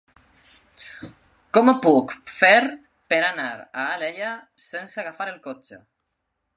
Com ho puc fer per anar a Alella sense agafar el cotxe?